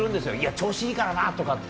調子いいからなって。